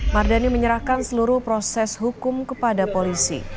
mardani menyerahkan seluruh proses hukum kepada polisi